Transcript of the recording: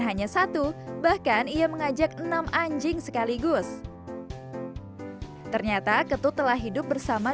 hanya satu bahkan ia mengajak enam anjing sekaligus ternyata ketut telah hidup bersama